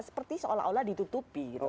seperti seolah olah ditutupi